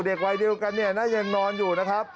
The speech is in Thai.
เด็กวัยเดียวกันยังนอนอยู่นะครับ